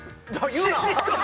言うな！